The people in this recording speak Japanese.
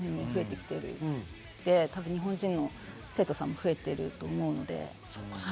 日本人の生徒さんも増えていると思います。